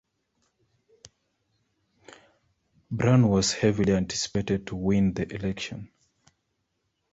Brown was heavily anticipated to win the election.